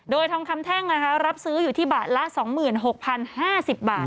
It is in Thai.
โดยทองคำแท่งรับซื้ออยู่ที่บาทละ๒๖๐๕๐บาท